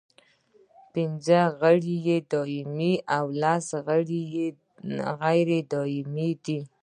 پنځه غړي یې دایمي او لس غیر دایمي دي.